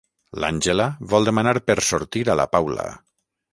L'Àngela vol demanar per sortir a la Paula.